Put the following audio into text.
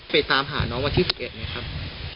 ไปตามหาน้องวันที่๑๑เนี่ยครับ